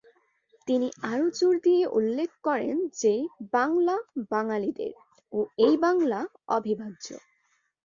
তিনি আরও জোর দিয়ে উল্লেখ করেন যে, বাংলা বাঙালিদের ও এ বাংলা অবিভাজ্য।